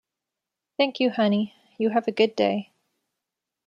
Thank you, honey. You have a good day.